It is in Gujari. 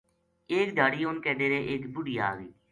ایک دھیاڑی اُن کے ڈیرے ایک بُڈھی آ گئی